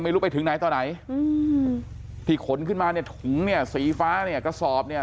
ไม่รู้ไปถึงไหนต่อไหนอืมที่ขนขึ้นมาเนี่ยถุงเนี่ยสีฟ้าเนี่ยกระสอบเนี่ย